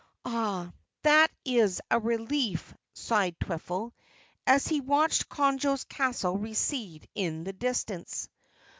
"Ah, that is a relief," sighed Twiffle as he watched Conjo's castle recede in the distance.